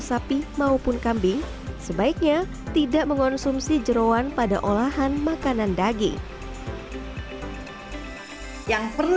sapi maupun kambing sebaiknya tidak mengonsumsi jerawan pada olahan makanan daging yang perlu